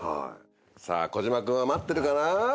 さあ児嶋くんは待ってるかな？